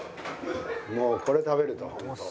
もうこれ食べると。